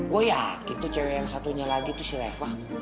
gue ya kita cewek yang satunya lagi tuh si leva